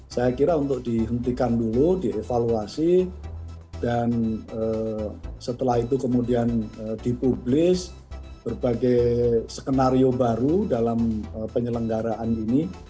saya kira untuk dihentikan dulu dievaluasi dan setelah itu kemudian dipublis berbagai skenario baru dalam penyelenggaraan ini